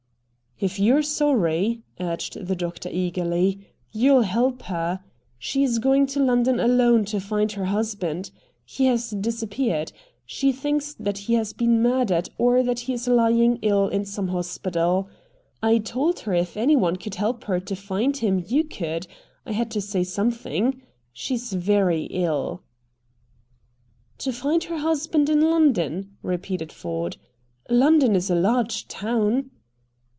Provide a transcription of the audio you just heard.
"If you're sorry," urged the doctor eagerly, "you'll help her. She is going to London alone to find her husband. He has disappeared. She thinks that he has been murdered, or that he is lying ill in some hospital. I told her if any one could help her to find him you could. I had to say something. She's very ill." "To find her husband in London?" repeated Ford. "London is a large town."